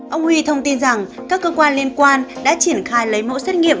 ông huy thông tin rằng các cơ quan liên quan đã triển khai lấy mẫu xét nghiệm